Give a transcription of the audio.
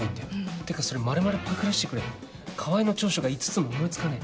ってかそれ丸々パクらせてくれ川合の長所が５つも思い付かねえ。